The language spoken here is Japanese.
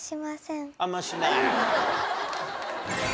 あんましない。